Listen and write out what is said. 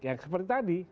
ya seperti tadi